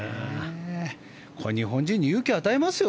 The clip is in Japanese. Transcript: これ、日本人に勇気を与えますよ。